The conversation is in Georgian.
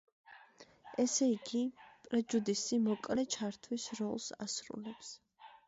ესე იგი, პრეჯუდისი „მოკლე ჩართვის“ როლს ასრულებს.